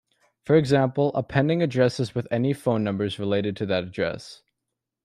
For example, appending addresses with any phone numbers related to that address.